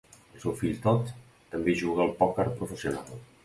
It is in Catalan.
El seu fill, Todd, també juga al pòquer professional.